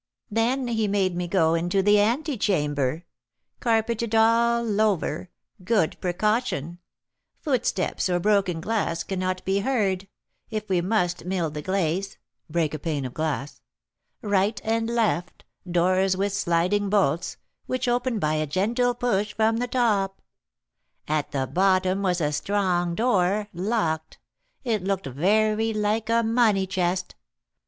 Then he made me go into the antechamber, carpeted all over; good precaution, footsteps or broken glass cannot be heard, if we must 'mill the glaze' (break a pane of glass); right and left, doors with sliding bolts, which open by a gentle push from the top. At the bottom was a strong door, locked, it looked very like a money chest.